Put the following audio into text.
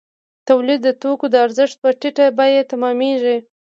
تولید د توکو د ارزښت په ټیټه بیه تمامېږي